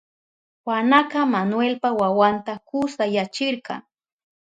Juanaka Manuelpa wawanta kusayachirka.